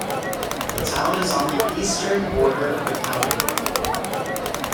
The town is on the eastern border of the county.